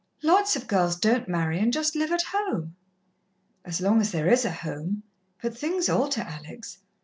Lots of girls don't marry, and just live at home." "As long as there is a home. But things alter, Alex.